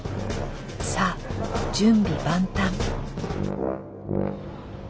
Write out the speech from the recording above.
さあ準備万端。